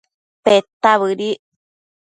Peta bëdic